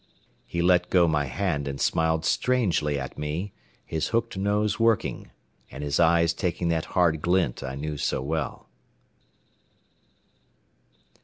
He let go my hand and smiled strangely at me, his hooked nose working, and his eyes taking that hard glint I knew so well.